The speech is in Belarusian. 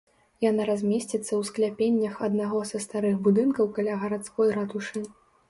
Яна размесціцца ў скляпеннях аднаго са старых будынкаў каля гарадской ратушы.